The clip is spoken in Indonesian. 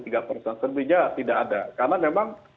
tentunya tidak ada karena memang